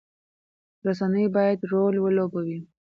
رسنۍ باید رول ولوبوي.